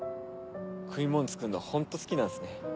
食いもん作るのホント好きなんすね。